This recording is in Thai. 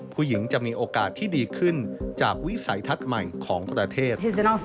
ผู้หญิงจะมีโอกาสที่ดีขึ้นจากวิสัยทัศน์ใหม่ของประเทศ